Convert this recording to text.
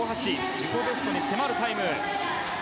自己ベストに迫るタイム。